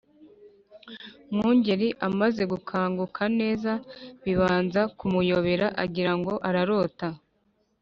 " Mwungeli amaze gukanguka neza, bibanza kumuyobera, agira ngo ararota